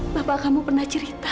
bapak kamu pernah cerita